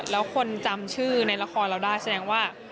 แล้วคนจำชื่อในละครเราได้แสดงว่า